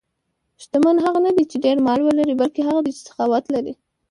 شتمن هغه نه دی چې ډېر مال ولري، بلکې هغه دی چې سخاوت لري.